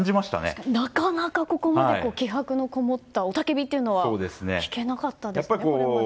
確かに、なかなかここまで気迫のこもった雄叫びっていうのは聞けなかったですよね、今まで。